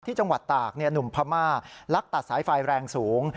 จังหวัดตากหนุ่มพม่าลักตัดสายไฟแรงสูง